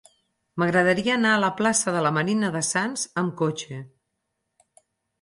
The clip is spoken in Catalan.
M'agradaria anar a la plaça de la Marina de Sants amb cotxe.